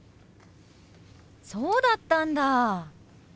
そうだったんだ！